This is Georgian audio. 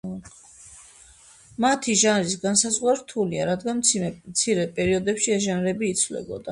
მათი ჟანრის განსაზღვრა რთულია, რადგან მცირე პერიოდებში ეს ჟანრები იცვლებოდა.